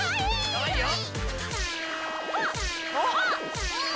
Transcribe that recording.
かわいいよ。